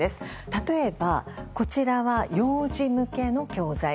例えば、こちらは幼児向けの教材。